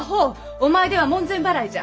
お前では門前払いじゃ。